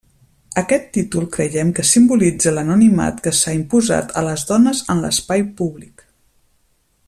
Aquest títol creiem que simbolitza l'anonimat que s'ha imposat a les dones en l'espai públic.